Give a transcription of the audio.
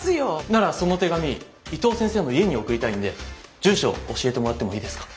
ならその手紙伊藤先生の家に送りたいんで住所教えてもらってもいいですか？